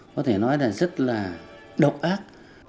có thể nói là rất là độc ác